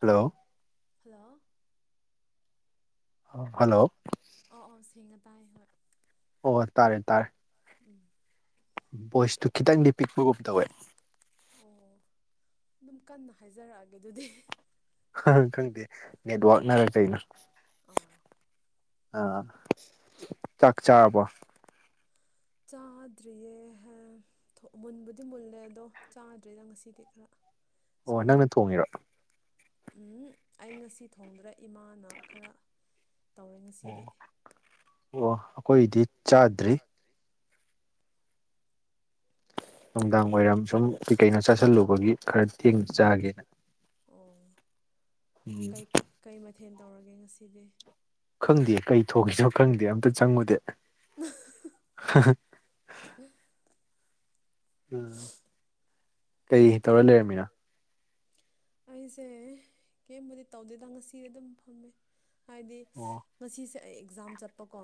Hello hello hello ꯑꯣ ꯑꯣꯁꯦꯡꯅ ꯇꯥꯏ ꯍꯣꯏ ꯑꯣ ꯇꯥꯔꯦ ꯇꯥꯔꯦ ꯎꯝ ꯚꯣꯏꯁꯇꯨ ꯈꯤꯇꯪꯗꯤ ꯄꯤꯛꯄꯒꯨꯝ ꯇꯧꯋꯦ ꯑꯣ ꯑꯗꯨꯝ ꯀꯟꯅ ꯍꯥꯏꯖꯔꯛꯑꯒꯦ ꯑꯗꯨꯗꯤ ꯈꯪꯗꯦ ꯅꯦꯠꯋꯥꯛꯅꯔ ꯀꯩꯅꯣ ꯑ ꯑ ꯆꯥꯛ ꯆꯥꯔꯕ‌ꯣ ꯆꯥꯗ꯭ꯔꯤꯌꯦ ꯍ‌ꯦ ꯊ‌ꯣꯛ ꯃꯨꯟꯕꯨꯗꯤ ꯃꯨꯜꯂꯦ ꯑꯗꯣ ꯆꯥꯗ꯭ꯔꯤꯗ ꯉꯁꯤꯗꯤ ꯈꯔ ꯑꯣ ꯁꯣꯝꯗꯤ ꯅꯪꯅ ꯊꯣꯡꯉꯤꯔꯣ ꯎꯝ ꯑꯩ ꯉꯁꯤ ꯊꯣꯡꯗ꯭ꯔ‌ꯦ ꯏꯃꯥꯅ ꯈꯔ ꯇꯧꯔꯦ ꯑꯣ ꯉꯁꯤꯗꯤ ꯑꯣ ꯑꯩꯈꯣꯏꯒꯤꯗꯤ ꯆꯥꯗ꯭ꯔꯤ ꯅꯨꯡꯗꯥꯡ ꯋꯥꯏꯔꯝ ꯁꯨꯝ ꯀꯩꯀꯩꯅꯣ ꯆꯥꯁꯤꯜꯂꯨꯕꯒꯤ ꯈꯔ ꯊꯦꯡꯅ ꯆꯥꯒꯦꯅ ꯑꯣ ꯎꯝ ꯀꯩ ꯀꯩ ꯃꯊꯦꯟ ꯇꯧꯔꯒꯦ ꯉꯁꯤꯗꯤ ꯈꯪꯗꯤꯌ‌ꯦ ꯀꯩ ꯊꯣꯛꯒꯤꯅꯣ ꯈꯪꯗꯦ ꯑꯝꯇ ꯆꯪꯉꯨꯗꯦ [inaudible] ꯎꯝ ꯀꯩ ꯇꯧꯔ ꯂꯩꯔꯝꯃꯤꯅ‌ꯣ ꯑꯩꯁꯦ ꯀꯦꯝꯕꯨꯗꯤ ꯇꯧꯗ‌ꯦꯗ ꯉꯁꯤ ꯑꯗꯨꯝ ꯐꯝꯃꯦ ꯍꯥꯏꯗꯤ ꯑꯣ ꯉꯁꯤꯁꯦ ꯑꯩ ꯑꯦꯛꯖꯥꯝ ꯆꯠꯄꯀꯣ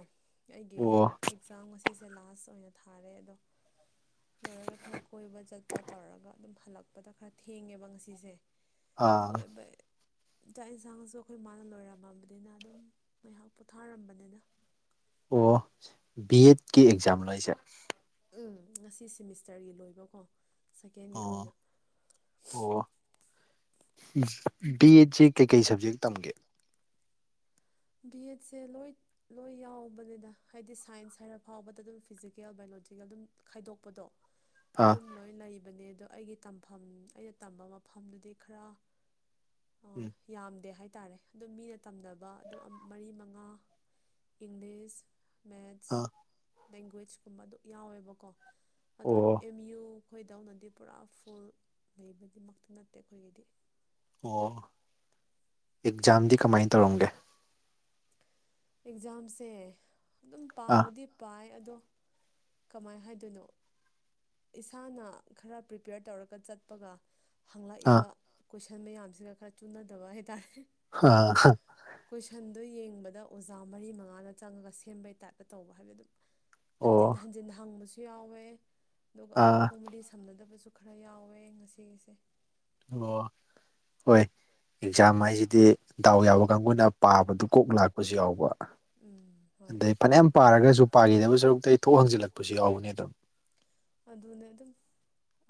ꯑꯩꯒꯤ ꯑꯣ ꯑꯦꯛꯖꯥꯝ ꯉꯁꯤ ꯍꯤꯖ‌ꯦ ꯂꯥꯁ ꯑꯣꯏꯅ ꯊꯥꯔꯦ ꯑꯗꯣ ꯂꯣꯏꯔꯒ ꯈꯔ ꯀꯣꯏꯕ ꯆꯠꯄ ꯇꯧꯔꯒ ꯑꯗꯨꯝ ꯍꯜꯂꯛꯄꯗ ꯈꯔ ꯊꯦꯡꯉꯦꯕ ꯉꯁꯤꯁꯦ ꯑꯥ ꯑꯗꯨ ꯑꯣꯏꯕꯩ ꯆꯥꯛ ꯏꯟꯁꯥꯡꯉꯁꯨ ꯑꯩꯈꯣꯏ ꯃꯥꯅ ꯂꯣꯏꯔꯝꯃꯕꯅꯤꯅ ꯑꯗꯨꯝ ꯉꯥꯏꯍꯥꯛ ꯄꯣꯊꯥꯔꯝꯕꯅꯤꯗ ꯑꯣ ꯕꯤ ꯑꯦꯠꯀꯤ ꯑꯦꯛꯖꯥꯝꯂ‌ꯣ ꯍꯥꯏꯁꯦ ꯎꯝ ꯉꯁꯤ ꯁꯤꯃꯤꯁꯇ꯭ꯔꯒꯤ ꯂꯣꯏꯕꯀꯣ ꯁꯦꯀꯦꯟꯒꯤ ꯑꯣ ꯑꯣꯏꯅ ꯑꯣ ꯕꯤ ꯑꯦꯠꯁꯤ ꯀꯩꯀꯩ ꯁꯞꯖꯦꯛ ꯇꯝꯒꯦ ꯕꯤꯑꯦꯠꯁꯦ ꯂꯣꯏ ꯂꯣꯏ ꯌꯥꯎꯕꯅꯤꯗ ꯍꯥꯏꯗꯤ ꯁꯥꯏꯟ꯭ꯁ ꯍꯥꯏꯔꯐꯥꯎꯕꯗ ꯑꯗꯨꯝ ꯐꯤꯖꯤꯀꯦꯜ ꯕꯥꯏꯂꯣꯖꯤꯀꯦꯜ ꯑꯗꯨꯝ ꯈꯥꯏꯗꯣꯛꯄꯗꯣ [inaudible] ꯑꯗꯨꯝ ꯂꯣꯏ ꯂꯩ ꯕꯅꯦ ꯑꯗ‌ꯣ ꯑꯩꯒꯤ ꯇꯝꯐꯝ ꯑꯩꯅ ꯇꯝꯕ ꯃꯐꯝꯗꯨꯗꯤ ꯈꯔ ꯑ ꯎꯝ ꯌꯥꯝꯗꯦ ꯍꯥꯏꯇꯥꯔꯦ ꯑꯗꯨ ꯃꯤꯅ ꯇꯝꯅꯕ ꯑꯗꯨ ꯃꯔꯤ ꯃꯉꯥ ꯏꯪꯂꯤꯁ ꯃꯦꯠꯁ ꯑꯥ ꯂꯦꯡꯒ꯭ꯋꯦꯖꯀꯨꯝꯕꯗꯨ ꯌꯥꯎꯋꯦꯕꯀꯣ ꯑꯗꯣ ꯑꯣ ꯑꯦꯝ ꯌꯨ ꯈꯣꯏꯗꯧꯅꯗꯤ ꯄꯨꯔꯥ ꯐꯨꯜ ꯂꯩꯕꯗꯤꯃꯛꯇꯤ ꯅꯠꯇꯦ ꯑꯩꯈꯣꯏꯒꯤꯗꯤ ꯑꯣ ꯑꯦꯛꯖꯥꯝꯗꯤ ꯀꯃꯥꯏ ꯇꯧꯔꯝꯒꯦ ꯑꯦꯛꯖꯥꯝꯁꯦ ꯑꯗꯨꯝ ꯑꯥ ꯄꯥꯕꯗꯤ ꯄꯥꯏ ꯑꯗꯣ ꯀꯃꯥꯏ ꯍꯥꯏꯗꯣꯏꯅꯣ ꯏꯁꯥꯅ ꯈꯔ ꯄ꯭ꯔꯤꯄꯦꯌꯔ ꯇꯧꯔꯒ ꯆꯠꯄꯒ ꯑꯥ ꯍꯪꯂꯛꯏꯕ ꯀꯣꯏꯁꯟ ꯃꯌꯥꯝꯁꯤꯒ ꯈꯔ ꯆꯨꯅꯗꯕ ꯍꯥꯏꯇꯥꯔꯦ ꯑꯥ ꯍꯥ ꯀꯣꯏꯁꯟꯗꯨ ꯌꯦꯡꯕꯗ ꯑꯣꯖꯥ ꯃꯔꯤ ꯃꯉꯥꯅ ꯆꯪꯉꯒ ꯁꯦꯝꯕꯩ ꯇꯥꯏꯞꯇ ꯇꯧꯕ ꯍꯥꯏꯕꯗꯤ ꯑꯗꯨꯝ ꯍꯟꯖꯤꯟ ꯑꯣ ꯍꯟꯖꯤꯟ ꯍꯪꯕꯁꯨ ꯌꯥꯎꯋꯦ ꯑꯗꯨꯒ ꯑꯥ ꯃꯈꯣꯡ ꯃꯔꯤ ꯁꯝꯅꯗꯕꯁꯨ ꯈꯔ ꯌꯥꯎꯋꯦ ꯉꯁꯤꯒꯤꯁꯦ ꯑꯣ ꯍꯣꯏ ꯑꯦꯛꯖꯥꯝ ꯍꯥꯏꯁꯤꯗꯤ ꯗꯥꯎ ꯌꯥꯕ ꯀꯥꯡꯕꯨꯅ ꯄꯥꯕꯗꯨ ꯀꯣꯛ ꯂꯥꯛꯄꯁꯨ ꯌꯥꯎꯕ ꯎꯝ ꯍꯣꯏ ꯑꯗꯩ ꯐꯅꯌꯥꯝ ꯄꯥꯔꯒꯁꯨ ꯄꯥꯈꯤꯗꯕ ꯁꯔꯨꯛꯇꯩ ꯊꯣꯛ ꯍꯪꯖꯤꯜꯂꯛꯄꯁꯨ ꯌꯥꯎꯕꯅꯦ ꯑꯗꯨꯝ ꯑꯗꯨꯅꯦ ꯑꯗꯨꯝ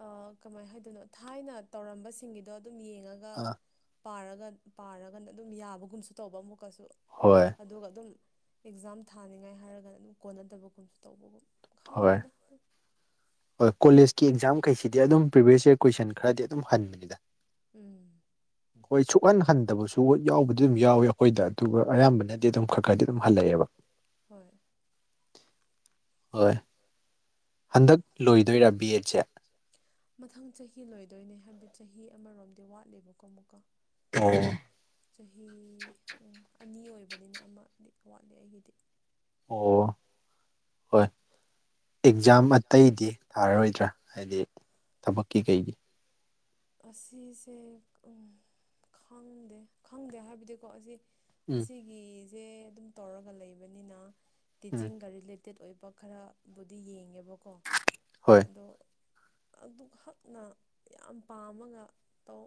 ꯑꯥ ꯀꯃꯥꯏ ꯍꯥꯏꯗꯣꯏꯅꯣ ꯊꯥꯏꯅ ꯇꯧꯔꯝꯕꯁꯤꯡꯒꯤꯗꯣ ꯑꯗꯨꯝ ꯌꯦꯡꯉꯒ ꯑꯥ ꯄꯥꯔꯒ ꯄꯥꯔꯒꯅ ꯑꯗꯨꯝ ꯌꯥꯕꯒꯨꯝꯁꯨ ꯇꯧꯕ ꯑꯃꯨꯛꯀꯁꯨ ꯍꯣꯏ ꯑꯗꯨꯒ ꯑꯗꯨꯝ ꯑꯦꯛꯖꯥꯝ ꯊꯥꯅꯤꯡꯉꯥꯏ ꯍꯥꯏꯔꯒꯅ ꯑꯗꯨꯝ ꯀꯣꯟꯅꯗꯕꯒꯨꯝꯁꯨ ꯇꯧꯕꯒꯨꯝ ꯍꯣꯏ ꯈꯪꯗꯦꯗ ꯍꯣꯏ ꯀꯣꯂꯦꯖꯀꯤ ꯑꯦꯛꯖꯥꯝꯈꯩꯁꯤꯗꯤ ꯑꯗꯨꯝ ꯄ꯭ꯔꯤꯚꯤꯌꯁ ꯏꯌꯥꯔ ꯀꯣꯏꯁꯟ ꯈꯔꯗꯤ ꯑꯗꯨꯝ ꯍꯟꯕꯅꯤꯗ ꯎꯝ ꯍꯣꯏ ꯁꯨꯍꯟ ꯍꯟꯗꯕꯁꯨ ꯍꯣꯏ ꯌꯥꯎꯕꯗꯤ ꯑꯗꯨꯝ ꯌꯥꯎꯏ ꯑꯩꯈꯣꯏꯗ ꯑꯗꯨꯒ ꯑꯌꯥꯝꯕꯅꯗꯤ ꯑꯗꯨꯝ ꯈꯔ ꯈꯔꯗꯤ ꯑꯗꯨꯝ ꯍꯜꯂꯛꯑꯦꯕ ꯍꯣꯏ ꯍꯣꯏ ꯍꯟꯗꯛ ꯂꯣꯏꯗꯣꯏꯔꯥ ꯕꯤ ꯑꯦꯠꯁꯦ ꯃꯊꯪ ꯆꯍꯤ ꯂꯣꯏꯗꯣꯏꯅꯦ ꯍꯥꯏꯕꯗꯤ ꯆꯍꯤ ꯑꯃꯔꯣꯝꯗꯤ ꯋꯥꯠꯂꯦꯕꯀꯣ ꯑꯃꯨꯛꯀ ꯑꯣ ꯆꯍꯤ ꯑꯅꯤ ꯑꯣꯏꯕꯅꯤꯅ ꯑꯃꯗꯤ ꯋꯥꯠꯂꯤ ꯑꯩꯒꯤꯗꯤ ꯑꯣ ꯍꯣꯏ ꯑꯦꯛꯖꯥꯝ ꯑꯇꯩꯗꯤ ꯊꯥꯔꯔꯣꯏꯗ꯭ꯔꯥ ꯍꯥꯏꯗꯤ ꯊꯕꯛꯀꯤ ꯀꯩꯒꯤ ꯑꯁꯤꯁꯦ ꯈꯪꯗꯦ ꯈꯪꯗꯦ ꯍꯥꯏꯕꯗꯤꯀꯣ ꯑꯁꯤ ꯎꯝ ꯑꯁꯤꯒꯤꯁꯦ ꯑꯗꯨꯝ ꯇꯧꯔꯒ ꯂꯩꯕꯅꯤꯅ ꯎꯝ ꯇꯤꯆꯤꯡꯒ ꯔꯤꯂꯦ ꯇꯦꯠ ꯑꯣꯏꯕ ꯈꯔꯕꯨꯗꯤ ꯌꯦꯡꯉꯦꯕꯀꯣ ꯍꯣꯏ ꯑꯗꯣ ꯑꯗꯨꯈꯛꯅ ꯌꯥꯝ ꯄꯥꯝꯃꯒ ꯇꯧ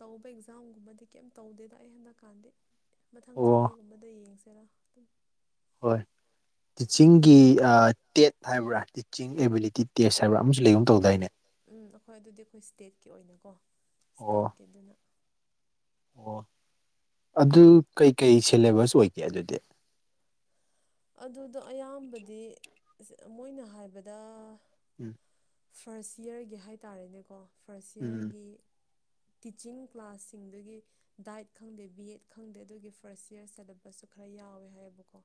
ꯇꯧꯕ ꯑꯦꯛꯖꯥꯝꯒꯨꯝꯕꯗꯤ ꯀꯩꯝ ꯇꯧꯗꯦꯗ ꯑꯩ ꯍꯟꯗꯛ ꯀꯥꯟꯗꯤ ꯃꯊꯪ ꯑꯣ ꯆꯍꯤꯒꯨꯝꯕꯗ ꯌꯦꯡꯁꯤꯔꯥ ꯑꯗꯨ ꯍꯣꯏ ꯇꯤꯆꯤꯡꯒꯤ ꯑꯥ ꯇꯦꯠ ꯍꯥꯏꯕ꯭ꯔꯥ ꯇꯤꯆꯤꯡ ꯑꯦꯕꯤꯂꯤꯇꯤ ꯇꯦꯁ ꯍꯥꯏꯕ꯭ꯔ ꯑꯃꯁꯨ ꯂꯩꯒꯨꯝ ꯇꯧꯗꯥꯏꯅꯦ ꯎꯝ ꯑꯩꯈꯣꯏ ꯑꯗꯨꯗꯤ ꯑꯩꯈꯣꯏ ꯁ꯭ꯇꯦꯠꯀꯤ ꯑꯣꯏꯅꯀꯣ ꯑꯣ ꯁ꯭ꯇꯦꯠꯀꯤ ꯑꯗꯨꯅ ꯑꯣ ꯑꯗꯨ ꯀꯩꯀꯩ ꯁꯦꯂꯦꯕꯁ ꯑꯣꯏꯒꯦ ꯑꯗꯨꯗꯤ ꯑꯗꯨꯗꯣ ꯑꯌꯥꯝꯕꯗꯤ ꯑꯁ ꯃꯣꯏꯅ ꯍꯥꯏꯕꯗ [inaudible] ꯐꯥꯔꯁ ꯏꯌꯥꯔꯒꯤ ꯍꯥꯏ ꯇꯥꯔꯦꯅꯦꯀꯣ ꯐꯥꯔꯁ ꯎꯝ ꯏꯌꯥꯔꯒꯤ ꯇꯤꯆꯤꯡ ꯀ꯭ꯂꯥꯁꯁꯤꯡꯗꯒꯤ ꯗꯥꯏꯠ ꯈꯪꯗꯦ ꯕꯤ ꯑꯦꯗ ꯈꯪꯗꯦ ꯑꯗꯨꯒꯤ ꯐꯥꯔꯁ ꯌꯔ ꯁꯦꯂꯦꯕꯁꯁꯨ ꯈꯔ ꯌꯥꯎꯋꯦ ꯍꯥꯏꯌꯦꯕꯀꯣ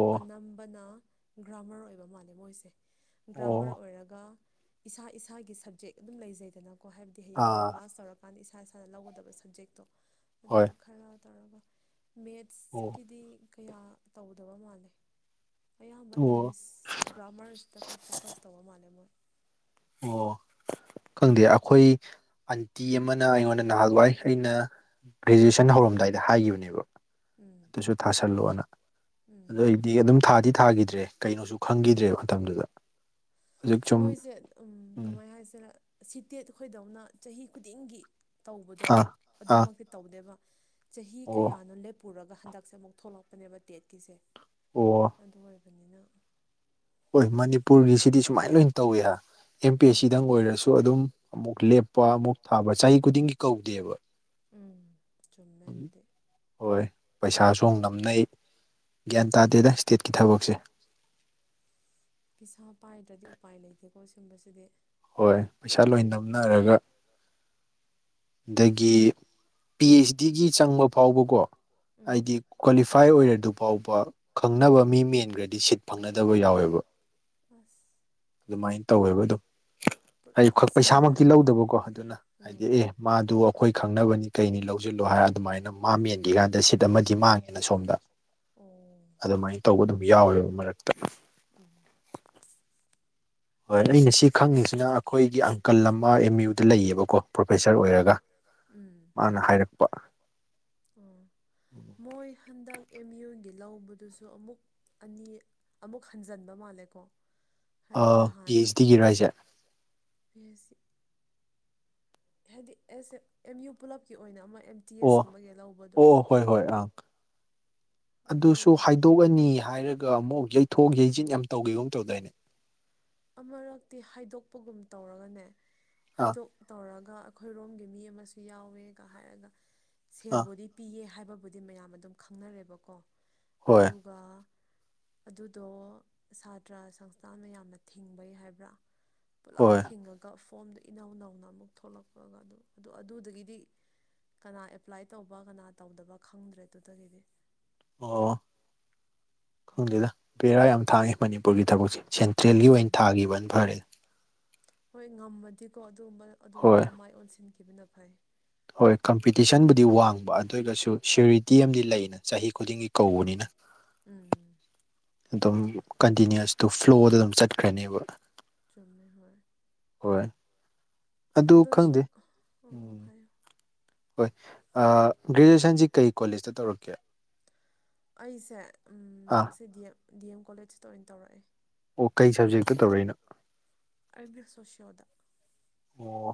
ꯑꯣ ꯑꯅꯝꯕꯅ ꯒ꯭ꯔꯥꯝꯃꯔ ꯑꯣꯏꯕ ꯃꯥꯜꯂꯦ ꯃꯣꯏꯁꯦ ꯑꯣ ꯒ꯭ꯔꯥꯝꯃꯔ ꯑꯣꯏꯔꯒ ꯏꯁꯥ ꯏꯁꯥꯒꯤ ꯁꯞꯖꯦꯛ ꯑꯗꯨꯝ ꯂꯩꯖꯩꯗꯅ ꯀꯣ ꯍꯥꯏꯕꯗꯤ ꯍꯌꯦꯡꯋꯥꯏ ꯑꯥ ꯄꯥꯁ ꯇꯧꯔꯀꯥꯟꯗ ꯏꯁꯥ ꯏꯁꯥꯅ ꯂꯧꯒꯗꯕ ꯁꯞꯖꯦꯛꯇꯣ ꯍꯣꯏ ꯑꯗꯨꯒ ꯈꯔ ꯇꯧꯔꯒ ꯃꯦꯠꯁ ꯑꯣꯝ ꯗꯤ ꯀꯌꯥ ꯇꯧꯗꯕ ꯃꯥꯜꯂꯦ ꯑꯌꯥꯝꯕ ꯑꯣ ꯏꯪꯂꯤꯁ ꯒ꯭ꯔꯥꯝꯃꯔꯁꯤꯗ ꯈꯔ ꯐꯣꯀꯁ ꯇꯧꯕ ꯃꯥꯜꯂꯦ ꯃꯣꯏ ꯑꯣ ꯈꯪꯗꯦ ꯑꯩꯈꯣꯏ ꯑꯟꯇꯤ ꯇꯤ ꯑꯃꯅ ꯑꯩꯉꯣꯟꯗ ꯅꯍꯥꯟꯋꯥꯏ ꯑꯩꯅ ꯒ꯭ꯔꯦꯖꯨꯑꯦꯁꯟ ꯍꯧꯔꯝꯗꯥꯏꯗ ꯍꯥꯏꯈꯤꯕꯅꯦꯕ ꯎꯝ ꯇꯁꯨ ꯊꯥꯁꯜꯂꯣꯅ ꯎꯝ ꯑꯗꯨ ꯗꯤ ꯑꯗꯨꯝ ꯊꯥꯗꯤ ꯊꯥꯈꯤꯗ꯭ꯔꯦ ꯀꯩꯅꯣꯁꯨ ꯈꯪꯈꯤꯗ꯭ꯔꯦ ꯃꯇꯝꯗꯨꯗ ꯍꯧꯖꯤꯛ ꯁꯨꯝ ꯃꯣꯏꯁꯦ ꯎꯝ ꯀꯃꯥꯏ ꯍꯥꯏꯁꯤꯅ ꯁꯤꯇꯦꯠ ꯈꯣꯏꯗꯧꯅ ꯆꯍꯤ ꯈꯨꯗꯤꯡꯒꯤ ꯇꯧꯕꯗꯣ ꯑꯥ ꯑꯥ ꯑꯗꯨꯃꯛꯇꯤ ꯇꯧꯗꯦꯕ ꯆꯍꯤ ꯑꯣ ꯀꯌꯥꯅꯣ ꯂꯦꯞ ꯄꯨꯔꯒ ꯍꯟꯗꯛꯁꯦ ꯑꯃꯨꯛ ꯊꯣꯛꯂꯛꯄꯅꯦꯕ ꯇꯦꯠꯀꯤꯁꯦ ꯑꯣ ꯑꯗꯨ ꯑꯣꯏꯕꯅꯤꯅ ꯍꯣꯏ ꯃꯅꯤꯄꯨꯔꯒꯤꯁꯤꯗꯤ ꯁꯨꯃꯥꯏꯅ ꯂꯣꯏꯅ ꯇꯧꯋꯤꯗ ꯑꯦꯝ ꯄꯤ ꯑꯦꯁ ꯎꯝ ꯁꯤꯗꯪ ꯑꯣꯏꯔꯁꯨ ꯑꯗꯨꯝ ꯑꯃꯨꯛ ꯂꯦꯞ ꯂꯨꯄꯥꯃꯨꯛ ꯊꯥꯕ ꯆꯍꯤ ꯈꯨꯗꯤꯡꯒꯤ ꯀꯧꯗꯦꯕ ꯎꯝ ꯆꯨꯝꯃꯦ ꯑꯗꯨꯗꯤ ꯍꯣꯏ ꯄꯩꯁꯥꯁꯨ ꯅꯝꯅꯩ ꯒ꯭ꯌꯥꯟ ꯇꯥꯗꯦꯗ ꯏꯁꯇꯦꯠꯀꯤ ꯊꯕꯛꯁꯦ ꯄꯤꯁꯥ ꯄꯥꯏꯗ꯭ꯔꯗꯤ ꯎꯄꯥꯏ ꯂꯩꯇꯦꯀꯣ ꯁꯤꯒꯨꯝꯕꯁꯤꯗꯤ ꯍꯣꯏ ꯄꯩꯁꯥ ꯂꯣꯏ ꯅꯝꯅꯔꯒ ꯑꯗꯒꯤ ꯄꯤ ꯑꯩꯆ ꯗꯤꯒꯤ ꯆꯪꯕ ꯐꯥꯎꯕꯀꯣ ꯍꯥꯏꯗꯤ ꯎꯝ ꯀ꯭ꯋꯥꯂꯤꯐꯥꯏ ꯑꯣꯏꯔꯗꯨ ꯐꯥꯎꯕ ꯈꯪꯅꯕ ꯃꯤ ꯃꯦꯟꯈ꯭ꯔꯗꯤ ꯁꯤꯠ ꯐꯪꯅꯗꯕ ꯌꯥꯎꯋꯦꯕ ꯑꯁ ꯑꯗꯨꯃꯥꯏꯅ ꯇꯧꯋꯦꯕ ꯑꯗꯨꯝ ꯄꯨꯔꯥ ꯍꯥꯏꯗꯤ ꯄꯩꯁꯥꯃꯛꯇꯤ ꯁꯪꯒꯅꯤꯅꯦ ꯂꯧꯗꯕꯀꯣ ꯑꯗꯨꯅ ꯍꯥꯏꯗꯤ ꯎꯝ ꯑꯦ ꯃꯥꯗꯨ ꯑꯩꯈꯣꯏ ꯈꯪꯅꯕꯅꯤ ꯀꯩꯅꯤ ꯂꯧꯁꯤꯜꯂꯨ ꯍꯥꯏꯔ ꯑꯗꯨꯃꯥꯏꯅ ꯃꯥ ꯃꯦꯟꯈꯤ ꯀꯥꯟꯗ ꯁꯤꯠ ꯑꯃꯗꯤ ꯃꯥꯡꯉꯦꯅ ꯁꯣꯝꯗ ꯑꯨꯝ ꯑꯗꯨꯃꯥꯏꯅ ꯇꯧꯕ ꯑꯗꯨꯝ ꯌꯥꯎꯋꯦꯕ ꯃꯔꯛꯇ ꯎꯝ ꯍꯣꯏ ꯑꯩꯅ ꯁꯤ ꯈꯪꯉꯤꯁꯤꯅ ꯑꯩꯈꯣꯏꯒꯤ ꯑꯪꯀꯜ ꯑꯃ ꯑꯦꯝ ꯌꯨꯗ ꯂꯩꯌꯦꯕꯀꯣ ꯄ꯭ꯔꯣꯐꯦꯁꯔ ꯑꯣꯏꯔꯒ ꯎꯝ ꯃꯥꯅ ꯍꯥꯏꯔꯛꯄ ꯑꯣ ꯃꯣꯏ ꯍꯟꯗꯛ ꯑꯦꯝ ꯌꯨꯒꯤ ꯂꯧꯕꯗꯨꯁꯨ ꯑꯃꯨꯛ ꯑꯅꯤ ꯑꯃꯨꯛ ꯍꯟꯖꯟꯕ ꯃꯥꯜꯂꯦꯀꯣ ꯍꯥꯏꯗꯤ ꯅꯍꯥꯟ ꯄꯤ ꯑꯩꯆ ꯗꯤꯒꯤꯔ ꯍꯥꯏꯁꯦ [inaudible] ꯍꯥꯏꯗꯤ ꯑꯦꯁ ꯑꯦ ꯑꯦꯝ ꯌꯨ ꯄꯨꯂꯞꯀꯤ ꯑꯣꯏꯅ ꯑꯃ ꯑꯦꯝ ꯇꯤ ꯑꯣ ꯑꯦꯁ ꯀꯨꯝꯕꯒꯤ ꯂꯧꯕꯗꯣ ꯑꯣ ꯍꯣꯏ ꯍꯣꯏ ꯑꯪ ꯑꯗꯨꯁꯨ ꯑꯗꯨꯒꯤꯗꯣ ꯍꯥꯏꯗꯣꯛꯑꯅꯤ ꯍꯥꯏꯔꯒ ꯑꯃꯨꯛ ꯌꯩꯊꯣꯛ ꯌꯩꯖꯤꯟ ꯌꯥꯝ ꯇꯧꯒꯤꯒꯨꯝ ꯇꯧꯗꯏꯅꯦ ꯑꯃꯔꯛꯇꯤ ꯍꯥꯏꯗꯣꯛꯄꯒꯨꯝ ꯇꯧꯔꯒꯅꯦ ꯑꯥ ꯍꯥꯏꯗꯣꯛ ꯇꯧꯔꯒ ꯑꯩꯈꯣꯏꯔꯣꯝꯒꯤ ꯃꯤ ꯑꯃꯁꯨ ꯌꯥꯎꯋꯦꯒ ꯍꯥꯏꯔꯒ ꯑꯥ ꯁꯦꯜꯕꯨꯗꯤ ꯄꯤꯌꯦ ꯍꯥꯏꯕ ꯕꯨꯗꯤ ꯃꯌꯥꯝ ꯑꯗꯨꯝ ꯈꯪꯅꯔꯦꯕꯀꯣ ꯍꯣꯏ ꯑꯗꯨ ꯒꯥ ꯑꯗꯨꯗꯣ ꯁꯥꯇ꯭ꯔ ꯁꯪꯁꯊꯥꯟꯅ ꯃꯥꯌꯥꯝꯅ ꯊꯤꯡꯕꯩ ꯍꯥꯏꯕ꯭ꯔꯥ ꯄꯨꯂꯞ ꯍꯣꯏ ꯊꯤꯡꯉꯒꯥ ꯒ ꯐꯣꯝꯗꯣ ꯏꯅꯎ ꯅꯧꯅ ꯑꯃꯨꯛ ꯊꯣꯛꯂꯛꯄꯒ ꯑꯗꯨ ꯑꯗꯨ ꯑꯗꯨꯗꯒꯤꯗꯤ ꯀꯅꯥ ꯑꯦꯄ꯭ꯂꯥꯏ ꯇꯧꯕ ꯀꯅꯥ ꯇꯧꯗꯕ ꯈꯪꯗ꯭ꯔꯦ ꯑꯗꯨꯗꯒꯤꯗꯤ ꯑꯣ ꯈꯪꯗꯦꯗ ꯄꯦꯕꯔ ꯌꯥꯝ ꯊꯥꯒꯦ ꯃꯅꯤꯄꯨꯔꯒꯤ ꯊꯕꯛꯁꯦ ꯁꯦꯟꯇ꯭ꯔꯦꯜꯒꯤ ꯑꯣꯏꯅ ꯎꯝ ꯊꯥꯒꯤꯕꯅ ꯐꯔꯦ ꯍꯣꯏ ꯉꯝꯃꯗꯤꯀꯣ ꯑꯗꯨꯒꯨꯝꯕ ꯍꯣꯏ ꯑꯗꯨꯝꯗ ꯃꯥꯏ ꯑꯣꯟꯁꯤꯟꯈꯤꯕꯅ ꯐꯩ ꯍꯣꯏ ꯀꯝꯄꯤꯇꯤꯁꯟꯕꯨꯗꯤ ꯋꯥꯡꯕ ꯑꯗꯨ ꯑꯣꯏꯒꯁꯨ ꯁꯨꯌꯔꯤꯇꯤ ꯑꯃꯗꯤ ꯂꯩꯅ ꯆꯍꯤ ꯈꯨꯗꯤꯡꯒꯤ ꯎꯝ ꯀꯧꯕꯅꯤꯅ ꯎꯝ ꯑꯗꯨꯝ ꯀꯟꯇꯤꯅꯤ꯭ꯨꯁꯇꯨ ꯐ꯭ꯂꯣꯗ ꯑꯗꯨꯝ ꯆꯠꯈ꯭ꯔꯅꯦꯕ ꯆꯝꯃꯦ ꯍꯣꯏ ꯍꯣꯏ ꯑꯗꯨ ꯑꯗꯣ ꯁꯣ ꯈꯪꯗꯦ ꯎꯝ ꯍꯣꯏ ꯑꯥ ꯒ꯭ꯔꯦꯖꯨꯌꯦꯁꯟꯁꯤ ꯀꯩ ꯀꯣꯂꯦꯖꯇ ꯇꯧꯔꯛꯀꯦ ꯑꯩꯁꯦ ꯑꯥ ꯁꯤ ꯒꯤ ꯑꯝ ꯗꯤ ꯑꯦꯝ ꯀꯣꯂꯦꯖꯇ ꯑꯣꯏꯅ ꯇꯧꯔꯛꯑꯦ ꯑꯣ ꯀꯩ ꯁꯕꯖꯦꯛꯇ ꯇꯧꯔꯛꯏꯅꯣ ꯑꯩꯗꯤ ꯁꯣꯁꯤꯌꯣꯗ ꯑꯣ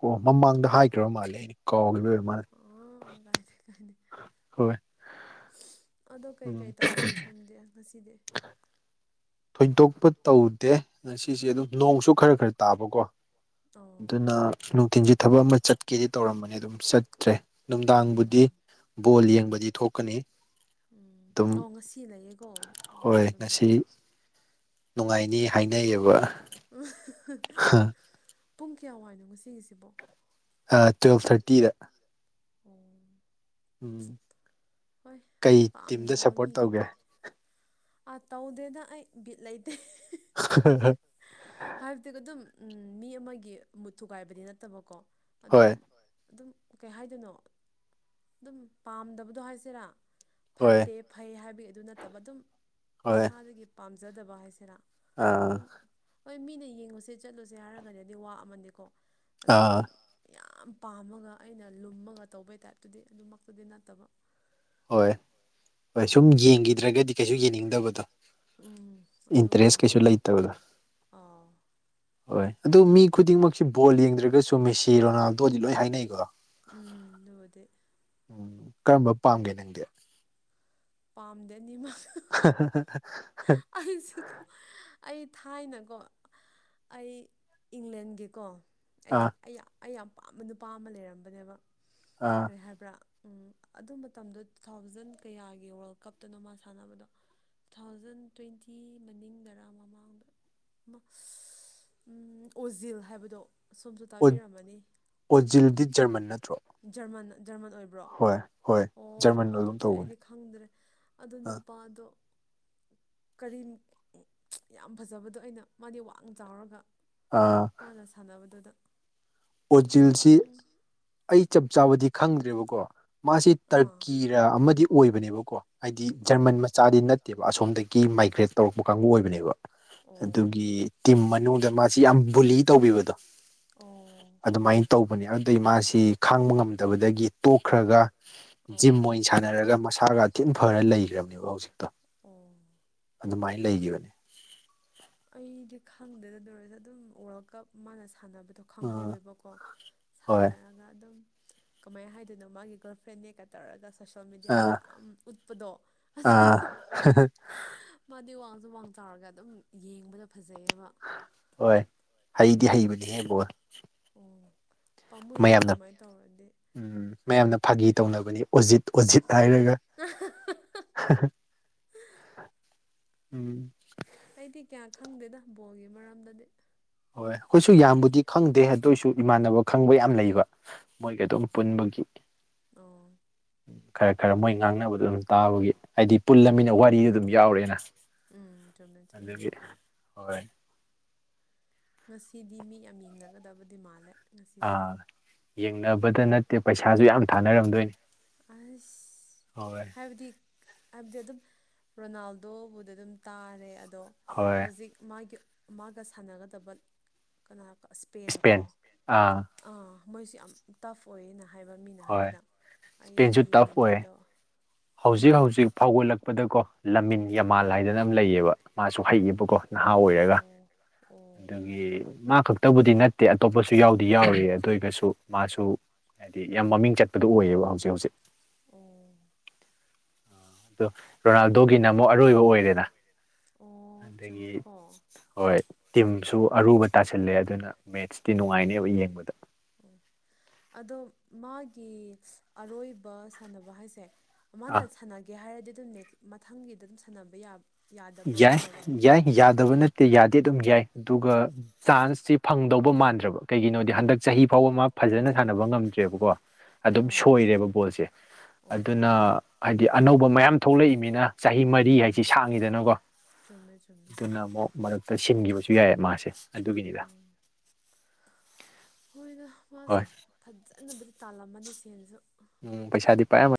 ꯑꯣ ꯃꯃꯥꯡꯗ ꯍꯥꯏꯒꯔꯕ ꯃꯥꯜꯂꯦ ꯑꯩꯅ ꯀꯥꯎꯒꯤꯕꯥ ꯑꯣꯏꯕ ꯃꯥꯜꯂꯦ ꯑ ꯀꯥꯏꯗꯦ ꯀꯥꯏꯗꯦ ꯍꯣꯏ ꯑꯗꯤ ꯀꯩꯀꯩ ꯎꯝ ꯇꯧꯔꯤꯒꯦ ꯁꯣꯝꯗꯤ ꯉꯁꯤꯗꯤ ꯊꯣꯏꯗꯣꯛꯄ ꯇꯧꯗꯦ ꯉꯁꯤꯁꯦ ꯑꯗꯨꯝ ꯅꯣꯡꯁꯨ ꯈꯔ ꯈꯔ ꯇꯥꯕꯀꯣ ꯑꯣ ꯑꯗꯨꯅ ꯅꯨꯡꯊꯤꯟꯁꯤ ꯊꯕꯛ ꯑꯃ ꯆꯠꯀꯦꯗꯤ ꯇꯧꯔꯝꯕꯅꯤ ꯑꯗꯨꯝ ꯆꯠꯇ꯭ꯔꯦ ꯅꯨꯡꯗꯥꯡꯕꯨꯗꯤ ꯎꯝ ꯕꯣꯜ ꯌꯦꯡꯕꯗꯤ ꯊꯣꯛꯀꯅꯤ ꯎꯝ ꯑꯗꯨꯝ ꯑꯥꯎ ꯉꯁꯤ ꯂꯩꯌꯦꯀꯣ ꯑꯣ ꯍꯣꯏ ꯆꯨꯝꯦ ꯉꯁꯤ ꯅꯨꯡꯉꯥꯏꯅꯤ ꯍꯥꯏꯅꯩꯌꯦꯕ ꯑꯍꯥꯍꯥ ꯍ ꯄꯨꯡ ꯀꯌꯥ ꯋꯥꯏꯅꯣ ꯉꯁꯤꯒꯤꯁꯤꯕꯣ ꯑꯥ ꯇꯨꯋꯦꯜꯞ ꯊꯥꯔꯇꯤꯗ ꯑꯣ ꯎꯝ ꯍꯣꯏ ꯀꯩ ꯇꯤꯝꯗ ꯄꯥꯝꯖꯕ ꯁꯞꯄꯣꯔꯠ ꯇꯧꯒꯦ ꯃꯤꯒꯤꯗꯤ ꯑꯥ ꯇꯧꯗꯦꯗꯥ ꯑꯩ ꯕꯤꯠ ꯂꯩꯇꯦ [inaudible] ꯍꯥꯏꯕꯗꯤ ꯑꯗꯨꯝ ꯎꯝ ꯃꯤ ꯑꯃꯒꯤ ꯃꯨꯠ ꯊꯨꯒꯥꯏꯕꯗꯤ ꯅꯠꯇꯕꯀꯣ ꯑꯗꯨꯝ ꯍꯣꯏ ꯑꯗꯨꯝ ꯀꯩ ꯍꯥꯏꯗꯣꯏꯅꯣ ꯑꯗꯨꯝ ꯄꯥꯝꯗꯕꯗꯣ ꯍꯥꯏꯁꯤꯔꯥ ꯍꯣꯏ ꯐꯠꯇꯦ ꯐꯩ ꯍꯥꯏꯕꯒꯤ ꯑꯗꯨ ꯅꯠꯇꯕ ꯑꯗꯨꯝ ꯍꯣꯏ ꯏꯁꯥꯗꯒꯤ ꯄꯥꯝꯖꯗꯕ ꯍꯥꯏꯁꯤꯔꯥ ꯑꯥ ꯑꯗꯨꯝ ꯍꯣꯏ ꯃꯤꯅ ꯌꯦꯡꯉꯨꯁꯦ ꯆꯠꯂꯨꯁꯦ ꯍꯥꯏꯔꯒꯗꯤ ꯑꯗꯨꯗꯤ ꯋꯥ ꯑꯃꯅꯤꯀꯣ ꯑꯗꯨꯒ ꯑꯥ ꯑꯗꯨꯝ ꯌꯥꯝ ꯄꯥꯝꯃꯒ ꯑꯩꯅ ꯂꯨꯝꯃꯒ ꯇꯧꯕꯩ ꯇꯥꯏꯞꯇꯨꯗꯤ ꯑꯗꯨꯃꯛꯇꯨꯗꯤ ꯅꯠꯇꯕ ꯍꯣꯏ ꯍꯣꯏ ꯁꯨꯝ ꯌꯦꯡꯒꯤꯗ꯭ꯔꯒꯗꯤ ꯀꯩꯁꯨ ꯌꯦꯡꯅꯤꯡꯗꯕꯗꯣ ꯎꯝ ꯑꯗꯨꯒꯨꯝꯕ ꯏꯟꯇꯔꯦꯁ ꯑꯃꯥ ꯀꯩꯁꯨ ꯂꯩꯇꯕꯗꯣ ꯍꯣꯏ ꯑꯗꯨ ꯃꯤ ꯈꯨꯗꯤꯡꯃꯛꯁꯨ ꯕꯣꯜ ꯌꯦꯡꯗ꯭ꯔꯒꯁꯨ ꯇꯨ ꯃꯦꯁꯤ ꯔꯣꯅꯥꯜꯗꯣꯗꯤ ꯂꯣꯏ ꯍꯥꯏꯅꯩꯀꯣ ꯎꯝ ꯑꯗꯨꯕꯨꯗꯤ ꯎꯝ ꯀꯔꯝꯕ ꯄꯥꯝꯒꯦ ꯅꯪꯗꯤ ꯄꯥꯃꯗꯦ ꯑꯅꯤꯃꯛ ꯑꯍꯥ ꯍꯥ ꯍꯥ ꯍꯥ ꯑꯩꯁꯨ ꯀꯣ ꯑꯩ ꯊꯥꯏꯅꯀꯣ ꯑꯩ ꯏꯪꯂꯦꯟꯒꯤꯀꯣ ꯑꯩ ꯑꯥ ꯑꯩ ꯑꯩ ꯌꯥꯝ ꯄꯥꯝꯕ ꯅꯨꯄꯥ ꯑꯃ ꯂꯩꯔꯝꯕꯅꯦꯕ꯫ ꯑ ꯀꯔꯤ ꯍꯥꯏꯕ꯭ꯔꯥ ꯎꯝ ꯑꯗꯨ ꯃꯇꯝꯗꯣ ꯇꯨ ꯊꯥꯎꯖꯟ ꯀꯌꯥꯒꯤ ꯋꯥꯔꯜ ꯀꯞꯇꯅꯣ ꯃꯥ ꯁꯥꯟꯅꯕꯗꯣ꯫ ꯇꯨ ꯊꯥꯎꯖꯟ ꯇ꯭ꯋꯦꯟꯇꯤ ꯃꯅꯤꯡꯗꯔꯥ ꯃꯃꯥꯡꯗ ꯃꯁ ꯑꯣꯖꯤꯜ ꯍꯥꯏꯕꯗꯣ ꯑꯁꯣꯝꯁꯨ ꯇꯥꯕꯤꯔꯝꯃꯅꯤ ꯑꯣꯖꯤꯜꯗꯤ ꯖꯔꯃꯟ ꯅꯠꯇ꯭ꯔꯣ ꯖꯔꯃꯟ ꯖꯔꯃꯟ ꯑꯣꯏꯕ ꯭ꯕꯔꯣ ꯍꯣꯏ ꯍꯣꯏ ꯑꯣ ꯖꯔꯃꯟ ꯑꯣꯏꯒꯨꯝ ꯑꯗꯨꯗꯤ ꯇꯧꯕꯅꯦ ꯑꯩꯗꯤ ꯈꯪꯗ꯭ꯔꯦ ꯑꯗꯨ ꯑ ꯅꯨꯄꯥꯗꯣ ꯀꯔꯤ ꯎꯝ ꯌꯥꯝ ꯐꯖꯕꯗꯣ ꯑꯩꯅ ꯃꯥꯗꯤ ꯋꯥꯡꯅ ꯆꯥꯎꯔꯒ ꯑꯥ ꯃꯥꯅ ꯁꯥꯟꯅꯕꯗꯨꯗ꯫ ꯑꯗꯨ ꯑꯣꯖꯤꯜꯁꯤ ꯈꯇꯪ ꯑꯩ ꯆꯞ ꯆꯥꯕꯗꯤ ꯈꯪꯗ꯭ꯔꯦꯕꯀꯣ꯫ ꯃꯥꯁꯤ ꯇꯔꯀꯤ ꯔ ꯑꯃꯗꯤ ꯑꯣꯏꯕꯅꯦꯕꯀꯣ꯫ ꯍꯥꯏꯗꯤ ꯖꯔꯃꯟ ꯃꯆꯥꯗꯤ ꯅꯠꯇꯦꯕ ꯑꯁꯣꯝꯗꯒꯤ ꯃꯥꯏꯒ꯭ꯔꯦꯠ ꯇꯧꯔꯛꯄ ꯀꯥꯡꯕꯨ ꯑꯣꯏꯕꯅꯦꯕ꯫ ꯑꯣ ꯑꯗꯨꯒꯤ ꯇꯤꯝ ꯃꯅꯨꯡꯗ ꯃꯥꯁꯤ ꯌꯥꯝ ꯕꯨꯂꯤ ꯇꯧꯕꯤꯕꯗꯣ꯫ ꯑꯣ ꯑꯗꯨꯃꯥꯏ ꯇꯧꯕꯅꯦ ꯑꯗꯨꯗꯩ ꯃꯥꯁꯤ ꯈꯥꯡꯕ ꯉꯝꯗꯕꯗꯒꯤ ꯇꯣꯛꯈ꯭ꯔꯒ꯫ ꯖꯤꯝ ꯑꯣ ꯑꯣꯏꯅ ꯁꯥꯟꯅꯔꯒ ꯃꯁꯥꯒ ꯊꯤꯟ ꯐꯔ ꯂꯩꯈ꯭ꯔꯕꯅꯦꯕ ꯍꯧꯖꯤꯛꯇꯣ꯫ ꯑꯣ ꯑꯗꯨꯃꯥꯏ ꯂꯩꯒꯤꯕꯅꯤ꯫ ꯑꯩꯗꯤ ꯈꯪꯗꯦꯗ ꯗꯨ ꯑꯣꯏꯔꯁꯨ ꯑꯗꯨꯝ ꯋꯥꯔꯜ ꯀꯞ ꯃꯥꯅ ꯁꯥꯟꯅꯕꯗꯣ꯫ ꯑ ꯈꯪꯍꯧꯋꯦꯕꯀꯣ ꯍꯣꯏ ꯁꯥꯟꯅꯔꯒ ꯑꯗꯨꯝ ꯀꯃꯥꯏ ꯍꯥꯏꯗꯣꯏꯅꯣ ꯃꯥꯒꯤ ꯒꯔꯜꯐ꯭ꯔꯦꯟ ꯅꯦꯒ ꯇꯧꯔꯒ ꯁꯣꯁꯦꯜ ꯃꯦꯗꯤꯌꯥꯗ ꯑꯥ ꯌꯥꯝ ꯎꯠꯄꯗꯣ ꯑꯗꯨꯗꯨ ꯑꯥ ꯍ ꯃꯥꯗꯤ ꯋꯥꯡꯁꯨ ꯋꯥꯡ ꯆꯥꯎꯔꯒ ꯑꯗꯨꯝ ꯌꯦꯡꯕꯗ ꯐꯖꯩꯑꯕ꯫ ꯍꯣꯏ ꯍꯩꯗꯤ ꯍꯩꯕꯅꯤꯌꯦ ꯕꯣꯜ꯫ ꯑꯣ ꯄꯥꯝꯃꯨꯏꯍꯦ ꯃꯌꯥꯝꯅ ꯑꯗꯨꯃꯥꯏ ꯇꯧꯔꯗꯤ꯫ ꯎꯝ ꯃꯌꯥꯝꯅ ꯐꯥꯒꯤ ꯇꯧꯅꯕꯅꯤ ꯑꯣꯖꯤꯠ ꯑꯣꯖꯤꯠ ꯍꯥꯏꯔꯒ ꯍꯥꯍꯥ ꯎꯝ ꯑꯩꯗꯤ ꯀꯌꯥ ꯈꯪꯗꯦꯗ ꯕꯣꯜꯒꯤ ꯃꯔꯝꯗꯗꯤ꯫ ꯍꯣꯏ ꯑꯈꯣꯏꯁꯨ ꯌꯥꯝꯕꯨꯗꯤ ꯈꯪꯗꯦ ꯑꯗꯨꯏꯁꯨ ꯏꯃꯥꯟꯅꯕ ꯈꯪꯕ ꯌꯥꯝ ꯂꯩꯕ ꯃꯣꯏꯒ ꯑꯗꯨꯝ ꯄꯨꯟꯕꯒꯤ꯫ ꯑꯣ ꯈꯔ ꯈꯔ ꯃꯣꯏ ꯉꯥꯡꯅꯕꯗꯣ ꯑꯗꯨꯝ ꯇꯥꯕꯒꯤ꯫ ꯍꯥꯏꯗꯤ ꯄꯨꯜꯂꯃꯤꯅ ꯎꯝ ꯋꯥꯔꯤꯗ ꯑꯗꯨꯝ ꯌꯥꯎꯔꯦꯅ ꯎꯝ ꯆꯨꯝꯃꯦ ꯆꯨꯝꯃꯦ ꯑꯗꯨꯒꯤ ꯍꯣꯏ ꯉꯁꯤꯗꯤ ꯃꯤ ꯌꯥꯝ ꯌꯦꯡꯅꯒꯗꯕꯗꯤ ꯃꯥꯜꯂꯦ꯫ ꯉꯁꯤꯁꯦ ꯑꯥ ꯌꯦꯡꯅꯕꯗ ꯅꯠ ꯄꯩꯁꯥꯗꯨ ꯌꯝ ꯊꯥꯅꯔꯛꯇꯣꯏꯅꯤ ꯍꯣꯏ ꯑꯁ ꯍꯥꯏꯕꯗꯤ ꯍꯥꯏꯕꯗꯤ ꯑꯗꯨꯝ ꯔꯣꯅꯥꯜꯗꯣꯕꯨꯗꯤ ꯑꯗꯨꯝ ꯇꯥꯔꯦ ꯑꯗꯣ ꯍꯣꯏ ꯍꯧꯖꯤꯛ ꯃꯥꯒꯤ꯫ ꯃꯥꯒ ꯁꯥꯟꯅꯒꯗꯕ ꯀꯅꯥ ꯀ ꯏꯁꯄꯦꯟ ꯀꯣ꯫ ꯑꯥ ꯑꯥ ꯃꯣꯏꯁꯦ ꯌꯥꯝ ꯇꯐ ꯑꯣꯏꯌꯦꯅ ꯍꯥꯏꯕ ꯃꯤꯅ ꯍꯣꯏ ꯍꯥꯏꯕꯗ ꯏꯁꯄꯦꯟꯁꯨ ꯑꯩꯕꯨꯗꯤ ꯇꯐ ꯌꯦꯡꯉꯨꯗꯦ ꯑꯣꯏ ꯗꯣ ꯍꯧꯖꯤꯛ ꯍꯧꯖꯤꯛ ꯐꯥꯎꯒꯠꯂꯛꯄꯗꯀꯣ꯫ ꯂꯝꯃꯤꯟ ꯎꯝ ꯌꯥꯝꯃꯥꯥꯜ ꯍꯥꯏꯗꯅ ꯑꯃ ꯂꯩꯌꯦꯕ ꯃꯥꯁꯨ ꯍꯩꯌꯦꯕꯀꯣ ꯅꯍꯥ ꯑꯣꯏꯔꯒ꯫ ꯑꯣ ꯑꯣ꯫ ꯑꯗꯨꯒꯤ ꯃꯥ ꯈꯛꯇꯕꯨꯗꯤ ꯅꯠꯇꯦ ꯑꯇꯣꯞꯄꯁꯨ ꯌꯥꯎꯗꯤ ꯌꯥꯎꯔꯤ ꯑꯗꯨ ꯑꯣꯏꯒꯁꯨ꯫ ꯃꯥꯁꯨ ꯍꯥꯏꯗꯤ ꯌꯥꯝ ꯃꯃꯤꯡ ꯆꯠꯄꯗꯨ ꯑꯣꯏꯌꯦꯕ ꯍꯧꯖꯤꯛ ꯍꯧꯖꯤꯛ꯫ ꯑꯣ꯫ ꯑꯗꯨ ꯔꯣꯅꯥꯜꯗꯣꯒꯤꯅ ꯑꯃꯨꯛ ꯑꯔꯣꯏꯕ ꯑꯣꯏꯔꯦꯅ꯫ ꯑꯣ ꯑꯗꯒꯤ ꯆꯨꯝꯃꯦꯀꯣ꯫ ꯍꯣꯏ ꯇꯤꯝꯁꯨ ꯑꯔꯨꯕ ꯇꯥꯁꯤꯜꯂꯦ ꯑꯗꯨꯅ ꯃꯦꯠꯁꯇꯤ ꯅꯨꯡꯉꯥꯏꯅꯦꯕ ꯌꯦꯡꯕꯗ꯫ ꯍꯧꯖꯤꯛ ꯑꯣ ꯑꯗꯣ ꯃꯥꯒꯤ ꯑꯔꯣꯏꯕ ꯁꯥꯟꯅꯕ ꯍꯥꯏꯁꯦ꯫ ꯃꯥꯅ ꯑꯥ ꯁꯥꯟꯅꯒꯦ ꯍꯥꯏꯔꯗꯤ ꯑꯗꯨꯝ ꯅꯦꯛ ꯃꯊꯪꯒꯤꯗ ꯑꯗꯨꯝ ꯁꯥꯟꯅꯕ ꯌꯥꯕ ꯌꯥꯏ ꯌꯥꯏ ꯌꯥꯗꯕ ꯅꯠꯇꯦ ꯌꯥꯗꯤ ꯑꯗꯨꯝ ꯌꯥꯏ ꯑꯗꯨꯒ ꯆꯥꯟꯁꯇꯤ ꯐꯪꯗꯧꯕ ꯃꯥꯟꯗ꯭ꯔꯕ ꯀꯩꯒꯤꯅꯣꯗꯤ ꯍꯟꯗꯛ ꯆꯍꯤ ꯐꯥꯎꯕ ꯃꯥ ꯐꯖꯅ ꯁꯥꯟꯅꯕ ꯉꯝꯗ꯭ꯔꯦꯕꯀꯣ꯫ ꯑꯗꯨꯝ ꯁꯣꯏꯔꯦꯕ ꯕꯣꯜꯁꯦ ꯑꯗꯨꯅ ꯍꯥꯏꯗꯤ ꯑꯅꯧꯕ ꯃꯌꯥꯝ ꯊꯣꯛꯂꯛꯏꯝꯃꯤꯅ ꯆꯍꯤ ꯃꯔꯤ ꯍꯥꯏꯁꯤ ꯁꯥꯡꯉꯤꯗ ꯅꯀꯣ ꯆꯨꯝꯃꯦ ꯆꯨꯝꯃꯦ ꯑꯗꯨꯅ ꯑꯃꯣꯛ ꯃꯔꯛꯇ ꯁꯤꯟꯒꯤꯕꯁꯨ ꯌꯥꯏꯌꯦ ꯃꯥꯁꯤ ꯑꯗꯨꯒꯤꯅꯤꯗ꯫ ꯎꯝ ꯍꯣꯏꯗ ꯃꯥꯁꯨ ꯍꯣꯏ ꯐꯠꯖꯅꯕꯨꯗꯤ ꯇꯥꯜꯂꯝꯃꯅꯤ ꯁꯦꯟꯁꯨ꯫ ꯎꯝ ꯄꯩꯁꯥꯗꯤ ꯄꯥꯏꯝꯃ